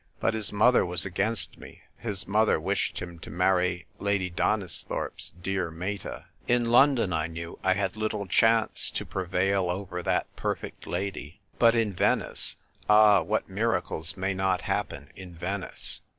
But his mother was against me ; his mother wished him to marry Lady Donisthorpe's dear Meta. In London, I knew, I had little chance to prevail over that perfect lady. But in Venice — ah, what miracles may not happen in Venice!